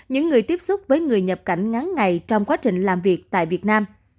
những người tiếp xúc với người nhập cảnh ngắn ngày trong quá trình làm việc tại việt nam